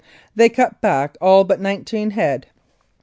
They cut back all but nineteen head.